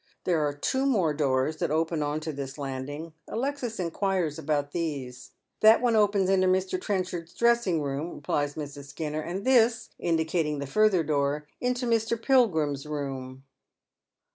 There are two more doors that open on to this landing. Alexis inquires about these. " That one opens into Mr. Trenchard's dressing room," replies Mrs. Skinner, " and this," indicating the further door, " into Mr. Pilgrim's room."